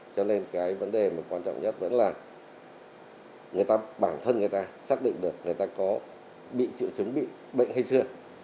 cho nên cái vấn đề mà quan trọng nhất vẫn là bản thân người ta xác định được người ta có bị triệu chứng bị bệnh hay chưa